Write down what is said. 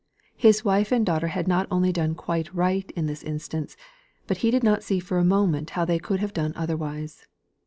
His wife and daughter had not only done quite right in this instance, but he did not see for a moment how they could have done otherwise.